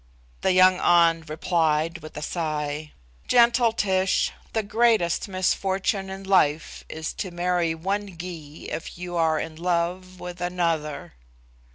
The young An replied with a sigh, "Gentle Tish, the greatest misfortune in life is to marry one Gy if you are in love with another."